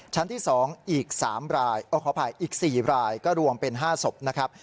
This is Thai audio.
ชั้นที่๒อีก๓รายขออภัยอีก๔รายก็รวมเป็น๕ศพนะครับ